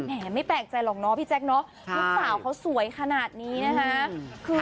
ไม่แปลกใจหรอกเนาะพี่แจ๊คเนอะลูกสาวเขาสวยขนาดนี้นะคะ